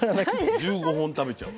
１５本食べちゃう。